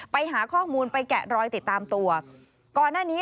ไปหาข้อมูลไปแกะรอยติดตามตัวก่อนหน้านี้